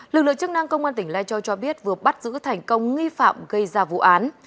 lực lượng chức năng công an tỉnh lai châu cho biết vừa bắt giữ thành công nghi phạm gây ra vụ án